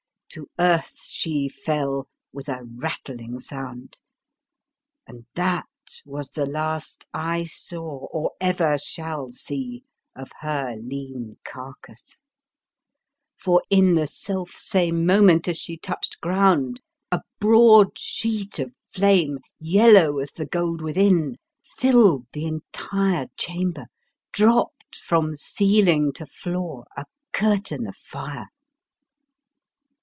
To earth she fell with a rattling sound, and that was the last I saw or ever shall see of her lean car case, for, in the self same moment as she touched ground, a broad sheet of flame, yellow as the gold within, filled the entire chamber, dropped from ceil ing to floor a curtain of fire.